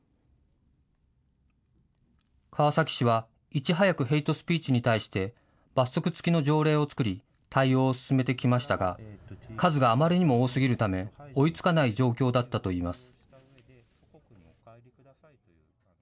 川崎市はいち早くヘイトスピーチに対して罰則付きの条例を作り、対応を進めてきましたが数があまりにも多すぎるため追いつかない状況だったといいます。